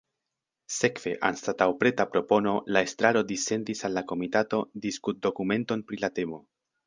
Sekve anstataŭ preta propono la estraro dissendis al la komitato "diskutdokumenton" pri la temo.